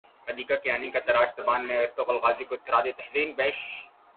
حدیقہ کیانی کا ترکش زبان میں ارطغرل غازی کو خراج تحسین پیش